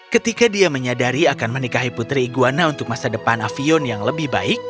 ketika dia menyadari akan menikahi putri iguana untuk masa depan avion yang lebih baik